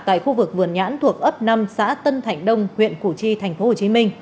tại khu vực vườn nhãn thuộc ấp năm xã tân thạnh đông huyện củ chi tp hcm